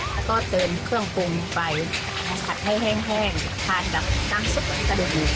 แล้วก็เติมเครื่องปรุงไปเอามาผัดให้แห้งทานกับน้ำซุปกระดูก